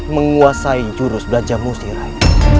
menguasai jurus belaja musti rai